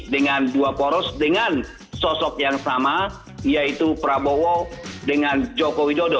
dengan dua poros dengan sosok yang sama yaitu prabowo dengan joko widodo